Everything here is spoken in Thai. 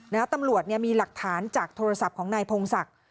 ตำรวจเนี่ยมีหลักฐานจากโทรศัพท์ของนายพงศักดิ์